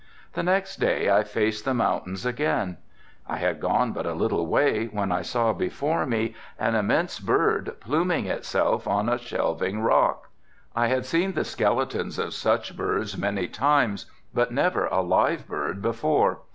The next day I faced the mountains again. I had gone but a little way when I saw before me an immense bird pluming itself on a shelving rock. I had seen the skeletons of such birds many times, but never a live bird before.